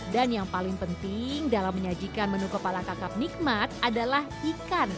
dan yang paling penting dalam menyajikan menu kepala kakap nikmat adalah ikan